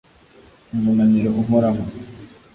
umunaniro uhoraho